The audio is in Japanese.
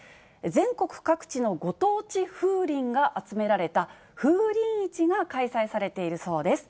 全国各地のご当地風鈴が集められた、風鈴市が開催されているそうです。